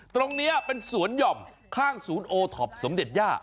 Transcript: ตรงนี้เป็นสวนหย่อมข้างศูนย์โอท็อปสมเด็จย่า